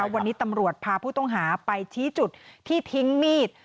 วันนี้ตำรวจพาผู้ต้องหาไปชี้จุดที่ทิ้งมีด